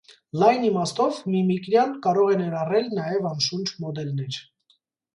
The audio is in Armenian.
Լայն իմաստով միմիկրիան կարող է ներառել նաև անշունչ մոդելներ։